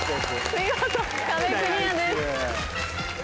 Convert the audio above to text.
見事壁クリアです。